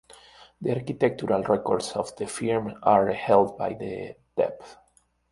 The architectural records of the firm are held by the Dept.